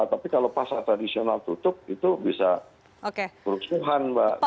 tapi kalau pasar tradisional tutup itu bisa kerusuhan mbak